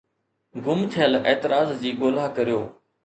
گم ٿيل اعتراض جي ڳولا ڪريو